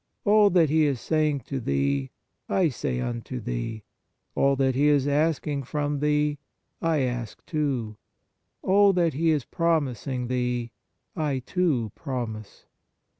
All that he is saying to Thee, I say unto Thee ; all that he is asking from Thee, I ask too ; all that he is pro mising Thee, I too promise.